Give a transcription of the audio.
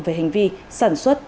về hành vi sản xuất